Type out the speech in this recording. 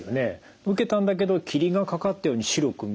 受けたんだけど霧がかかったように白く見える。